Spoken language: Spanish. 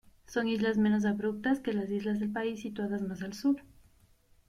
Son islas menos abruptas que las islas del país situadas más al sur.